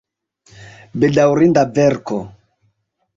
Bedaŭrinda verko!